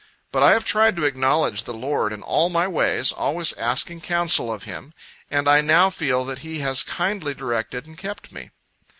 But I have tried to acknowledge the Lord in all my ways, always asking counsel of Him, and I now feel that He has kindly directed and kept me.